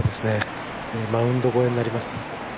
マウンド越えになります。